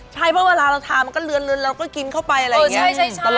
ใช่เพราะเวลาเราทามันก็เลือนเราก็กินเข้าไปอะไรอย่างนี้